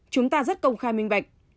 chúng ta rất công khai minh bạch